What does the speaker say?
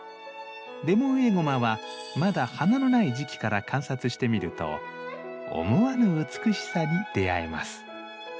レモンエゴマはまだ花のない時期から観察してみると思わぬ美しさに出会えます。